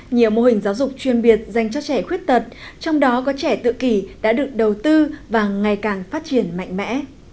nhiều mô hình giáo dục chuyên biệt dành cho trẻ khuyết tật trong đó có trẻ tự kỷ đã được đầu tư và ngày càng phát triển mạnh mẽ